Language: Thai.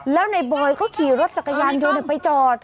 แล้วในบอยก็ขี่รถจักรยานยนต์ไปจอด